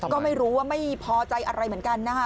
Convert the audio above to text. ก็ไม่รู้ว่าไม่พอใจอะไรเหมือนกันนะคะ